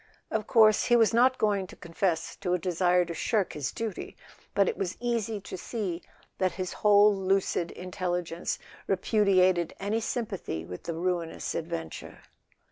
Of course he was not going to confess to a desire to shirk his duty; but it was easy to see that his whole lucid intelligence repudiated any sympathy with the ruinous adventure.